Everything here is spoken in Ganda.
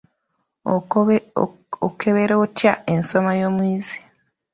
Okebera otya ensoma y'omuyizi?